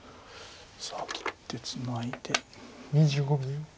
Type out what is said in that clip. さあ切ってツナいで。